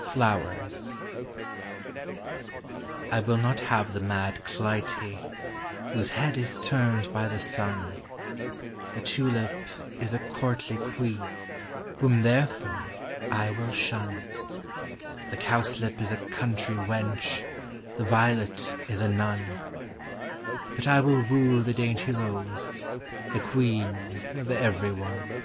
FLOWEKS. I will not have the mad Clvtie, Whose head is turned by the sun; The tulip is a courtly quean, Whom, therefore, I will shun : The cowslip is a country wench, The violet is a nun ;— But I will woo the dainty rose, The queen of every one.